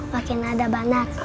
wakinah ada banat